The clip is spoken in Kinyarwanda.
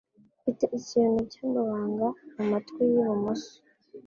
Mfite ikintu cyamahanga mumatwi yi bumoso.